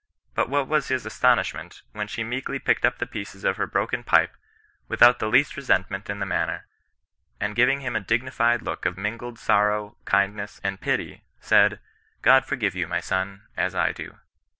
But what was his astonishment, when she meekly picked up the pieces of her broken pipe, without the least resent ment in her manner, and giving him a dignified look of mingled sorrow, kindness, and pity, said, ^^ God forgive you, my son, as I do."